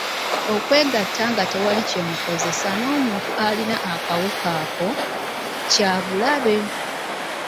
Okwegatta nga tewali kye mukozesezza n’omuntu alina akawuka ako kya bulabe.